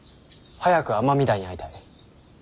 早く尼御台に会いたい。